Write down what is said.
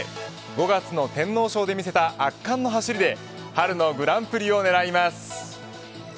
５月の天皇賞で見せた圧巻の走りで春のグランプリを狙います。